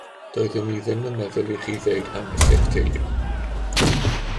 Doeddwn i ddim yn meddwl i chi ddeud hanes eich teulu.